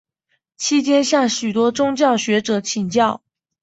期间向许多宗教学者请教。